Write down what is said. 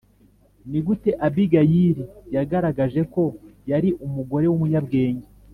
Ni gute Abigayili yagaragaje ko yari umugore w umunyabwenge